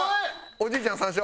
おじいちゃん３勝。